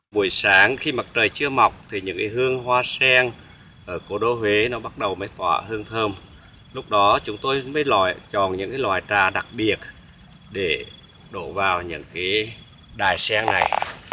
buổi sáng khi mặt trời chưa mọc thì những cái hương hoa sen ở cổ đô huế nó bắt đầu mới tỏa hương thơm lúc đó chúng tôi mới chọn những loài trà đặc biệt để đổ vào những cái đài sen này